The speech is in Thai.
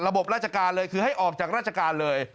บราชการเลยคือให้ออกจากราชการเลย